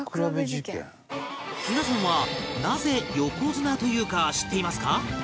皆さんはなぜ横綱というか知っていますか？